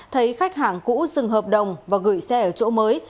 thấy khách hàng cũ dừng hợp đồng và gửi xe ở chỗ mới